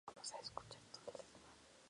Nunca existió como título nobiliario.